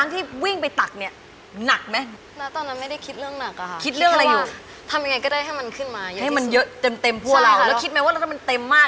ที่วันนี้คุณเนยจะเป็นผู้มีสิทธิ์